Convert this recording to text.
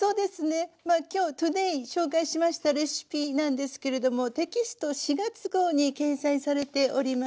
まあきょうｔｏｄａｙ紹介しましたレシピなんですけれどもテキスト４月号に掲載されております。